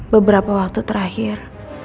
beberapa waktu terakhir